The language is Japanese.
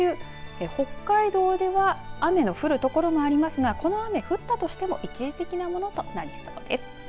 北海道では雨の降る所もありますがこの雨が降ったとしても一時的なものとなりそうです。